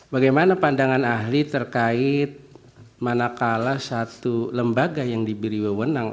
bagaimana pandangan ahli terkait manakala satu lembaga yang diberi wewenang